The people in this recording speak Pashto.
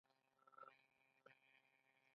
یوه قوي او مثبته روحیه.